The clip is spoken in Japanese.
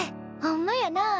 ほんまやなあ。